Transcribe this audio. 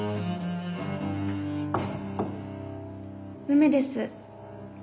梅です。